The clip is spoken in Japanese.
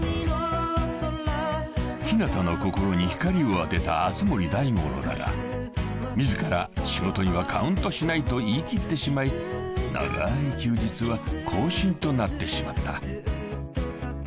［陽向の心に光を当てた熱護大五郎だが自ら「仕事にはカウントしない」と言い切ってしまい長い休日は更新となってしまった］